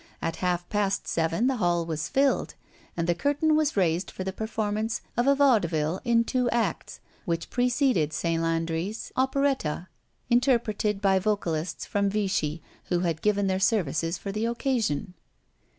At half past seven the hall was filled, and the curtain was raised for the performance of a vaudeville in two acts, which preceded Saint Landri's operetta, interpreted by vocalists from Vichy, who had given their services for the occasion.